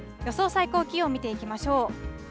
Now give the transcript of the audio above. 最高気温見ていきましょう。